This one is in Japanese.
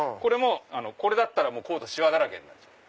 これだったらコートシワだらけになっちゃう。